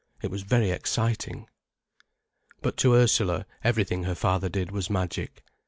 It was very exciting. But to Ursula, everything her father did was magic.